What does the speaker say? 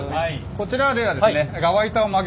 こちらではですね